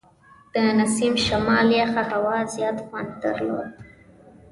د نسیم شمال یخه هوا زیات خوند درلود.